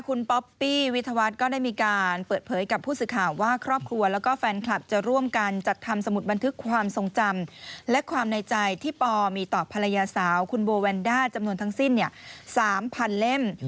คุณป๊อปปี้วิทยาวัฒน์ก็ได้มีการเปิดเผยกับผู้สื่อข่าวว่าครอบครัวแล้วก็แฟนคลับจะร่วมกันจัดทำสมุดบันทึกความทรงจำและความในใจที่ปอมีต่อภรรยาสาวคุณโบแวนด้าจำนวนทั้งสิ้น๓๐๐เล่ม